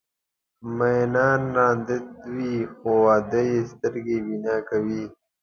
مینان ړانده وي خو واده یې سترګې بینا کوي.